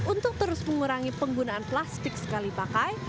untuk terus mengurangi penggunaan plastik sekali pakai